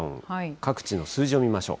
各地の数字を見ましょう。